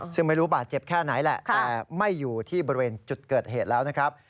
ซึ่งไม่รู้บาดเจ็บแค่ไหนแหละแต่ไม่อยู่ที่บริเวณจุดเกิดเหตุแล้วนะครับ